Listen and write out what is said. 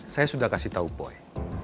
saya sudah kasih tau boy